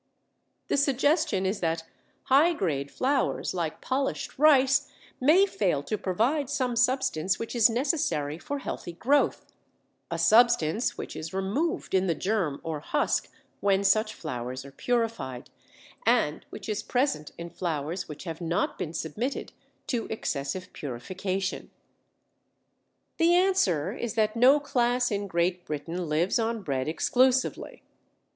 The suggestion is that high grade flours, like polished rice, may fail to provide some substance which is necessary for healthy growth, a substance which is removed in the germ or husk when such flours are purified, and which is present in flours which have not been submitted to excessive purification. The answer is that no class in Great Britain lives on bread exclusively.